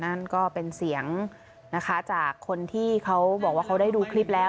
นั่นก็เป็นเสียงนะคะจากคนที่เขาบอกว่าเขาได้ดูคลิปแล้ว